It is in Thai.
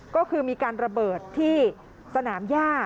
ก็คือมีการระเบิดที่สนามย่า